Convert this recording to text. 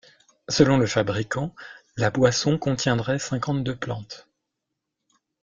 Selon le fabricant, la boisson contiendrait cinquante-deux plantes.